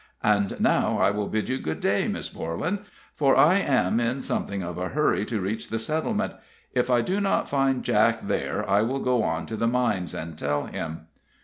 And now I will bid you good day, Miss Borlan, for I am in something of a hurry to reach the settlement. If I do not find Jack there, I will go on to the mines and tell him."